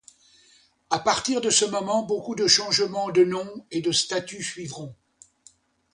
À partir de ce moment, beaucoup de changements de noms et de statuts suivront.